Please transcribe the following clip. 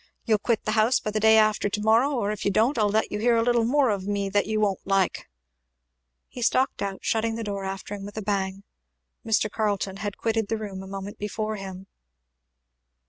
You'll quit the house by the day after to morrow, or if you don't I'll let you hear a little more of me that you won't like!" He stalked out, shutting the door after him with a bang. Mr. Carleton had quitted the room a moment before him.